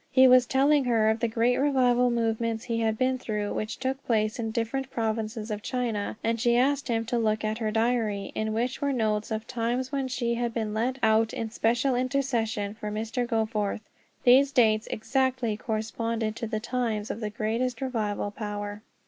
He was telling her of the great revival movements he had been through, which took place in different provinces of China; and she asked him to look at her diary, in which were notes of times when she had been led out in special intercession for Mr. Goforth. These dates exactly corresponded to the times of greatest revival power.